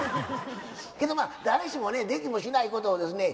けどまあ誰しもねできもしないことをですね